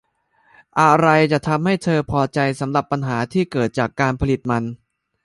อะไรจะทำให้เธอพอใจสำหรับปัญหาที่เกิดจากการผลิตมัน